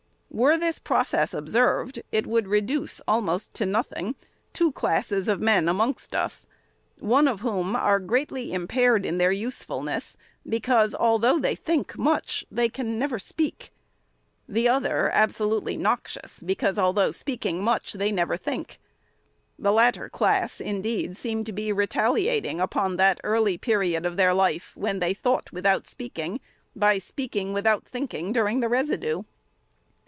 Were this process observed, it would reduce almost to nothing two classes of men amongst us ; one of whom are greatly impaired in their usefulness, because, though they think much, they can never speak ; the other abso lutely noxious, because, though speaking much, they never think. The latter class, indeed, seem to be re taliating upon that early period of their life, when they thought without speaking, by speaking without thinking during the residue.